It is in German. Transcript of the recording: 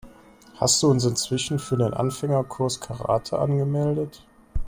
Hast du uns inzwischen für den Anfängerkurs Karate angemeldet?